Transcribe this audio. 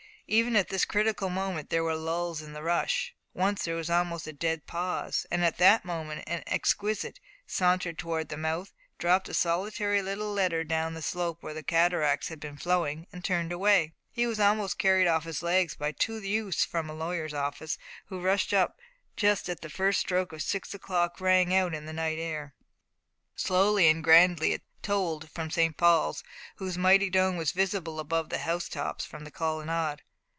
Even at this critical moment there were lulls in the rush. Once there was almost a dead pause, and at that moment an exquisite sauntered towards the mouth, dropped a solitary little letter down the slope where whole cataracts had been flowing, and turned away. He was almost carried off his legs by two youths from a lawyer's office, who rushed up just as the first stroke of six o'clock rang out on the night air. Slowly and grandly it tolled from St. Paul's, whose mighty dome was visible above the house tops from the colonnade.